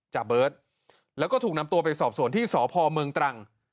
จาเบิร์ตแล้วก็ถูกนำตัวไปสอบสวนที่สพเมืองตรัง